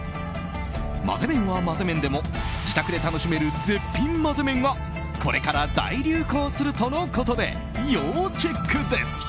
まぜ麺はまぜ麺でも自宅で楽しめる絶品まぜ麺がこれから大流行するとのことで要チェックです。